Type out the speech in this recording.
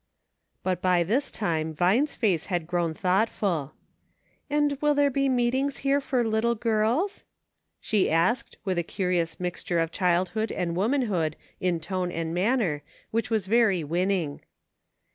But by this time Vine's face had grown thought ful. "And will there be meetings here for iittie girls.? " Jihe asiced, with a curious mixture or child hood and womanhood in tone and manner, which was very winning.